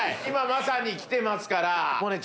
今まさに来てますから。